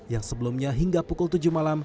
yang sebelumnya hingga pukul tujuh malam